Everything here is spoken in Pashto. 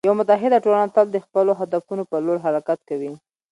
یوه متعهد ټولنه تل د خپلو هدفونو په لور حرکت کوي.